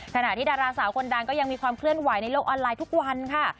ขณะที่ดาราสาวคนดังก็ยังมีความเคลื่อนไหวในโลกออนไลน์ทุกวันค่ะ